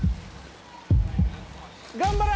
頑張れ！